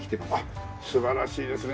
素晴らしいですね。